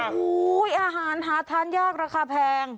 โอ้โหอาหารหาทานยากราคาแพง